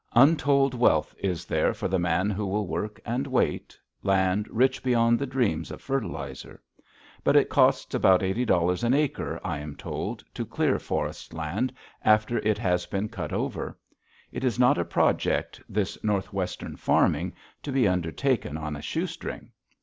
Untold wealth is there for the man who will work and wait, land rich beyond the dreams of fertilizer. But it costs about eighty dollars an acre, I am told, to clear forest land after it has been cut over. It is not a project, this Northwestern farming, to be undertaken on a shoestring.